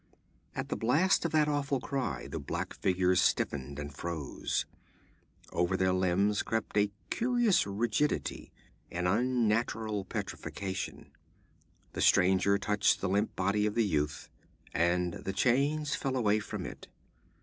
_' At the blast of that awful cry, the black figures stiffened and froze. Over their limbs crept a curious rigidity, an unnatural petrification. The stranger touched the limp body of the youth, and the chains fell away from it.